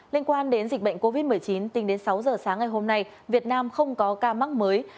liên quan đến dịch bệnh covid một mươi chín tính đến sáu giờ sáng ngày hôm nay việt nam không có ca mắc mới